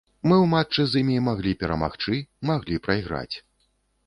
Мы ў матчы з імі маглі перамагчы, маглі прайграць.